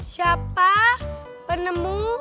siapa penemu listrik